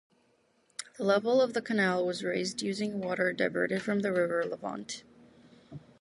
The level of the canal was raised using water diverted from the River Lavant.